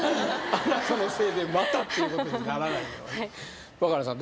あなたのせいでまたっていうことにならないようにはいわかなさん